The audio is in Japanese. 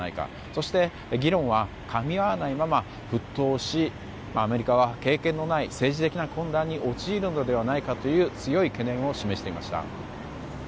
そして議論はかみ合わないまま沸騰しアメリカは経験のない政治的な混乱に陥るのではないかという強い懸念を示していました。